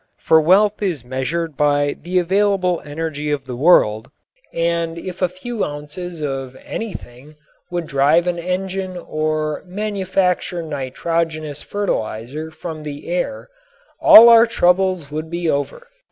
For wealth is measured by the available energy of the world, and if a few ounces of anything would drive an engine or manufacture nitrogenous fertilizer from the air all our troubles would be over.